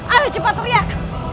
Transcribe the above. ayo cepat teriak